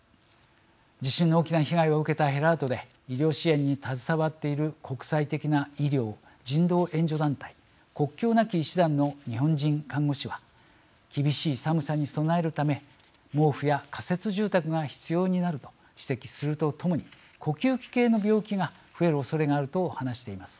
地震の大きな被害を受けたヘラートで医療支援に携わっている国際的な医療・人道援助団体国境なき医師団の日本人看護師は厳しい寒さに備えるため毛布や仮設住宅が必要になると指摘するとともに呼吸器系の病気が増えるおそれがあると話しています。